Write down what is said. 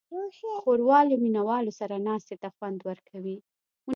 ښوروا له مینهوالو سره ناستې ته خوند ورکوي.